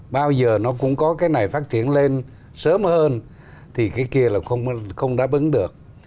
bao giờ nó cũng có cái này phát triển lên sớm hơn thì cái kia là không đáp ứng được